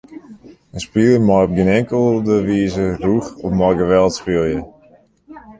In spiler mei op gjin inkelde wize rûch of mei geweld spylje.